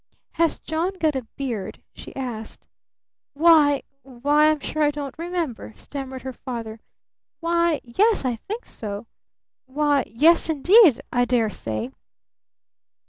"Has John got a beard?" she asked. "Why why, I'm sure I don't remember," stammered her father. "Why, yes, I think so why, yes, indeed I dare say!"